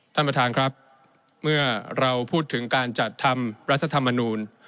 ท่านประธานครับเมื่อเราพูดถึงการจัดทำรัฐธรรมนูล